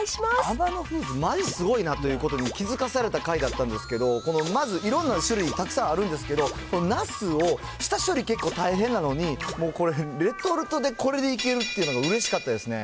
アマノフーズ、すごいなって気付かされた回だったんですけど、この、まず、いろんな種類たくさんあるんですけど、ナスを下処理結構大変なのに、もうこれ、レトルトでこれでいけるっていうのがうれしかったですね。